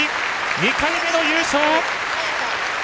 ２回目の優勝！